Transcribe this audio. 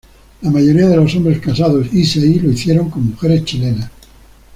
La mayoría de los hombres casados "Issei", lo hicieron con mujeres chilenas.